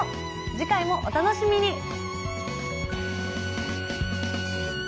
次回もお楽しみに。